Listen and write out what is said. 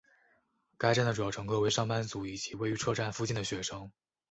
该站的主要乘客为上班族以及位于车站附近的的学生。